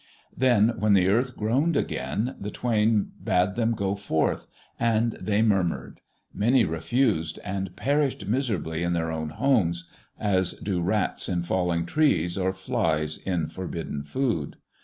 Then when the earth groaned again, the Twain bade them go forth, and they murmured. Many refused and perished miserably in their own homes, as do rats in falling trees, or flies in forbidden food.